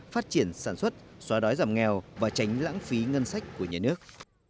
phát triển sản xuất xóa đói giảm nghèo và tránh lãng phí ngân sách của nhà nước